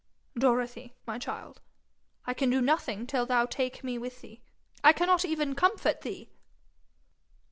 'Dorothy, my child, I can do nothing till thou take me with thee. I cannot even comfort thee.'